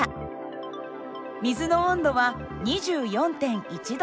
水の温度は２４．１℃。